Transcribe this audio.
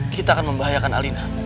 kita akan membahayakan alina